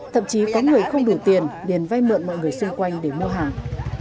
thậm chí có người không đủ tiền liền vay mượn mọi người xung quanh để mua hàng